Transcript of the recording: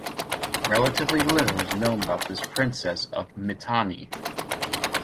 Relatively little is known about this princess of Mitanni.